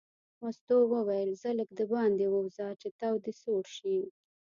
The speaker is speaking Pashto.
مستو وویل ځه لږ دباندې ووځه چې تاو دې سوړ شي.